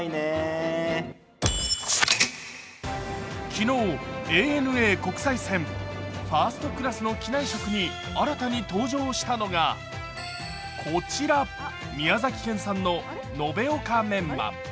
昨日、ＡＮＡ国際線ファーストクラスの機内食に新たに登場したのがこちら、宮崎県産の延岡メンマ。